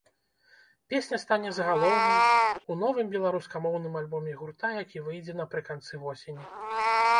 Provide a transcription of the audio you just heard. Песня стане загалоўнай у новым беларускамоўным альбоме гурта, які выйдзе напрыканцы восені.